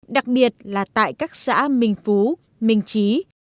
đặc biệt là tại các xã mình phú mình trí